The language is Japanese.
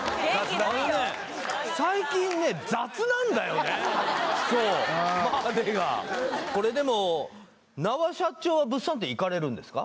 あのね最近ねそう「まあね」がこれでも那波社長は物産展行かれるんですか？